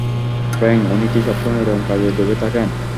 Frank, উনি কি সবসময়ই এরকম কাজে ডুবে থাকেন?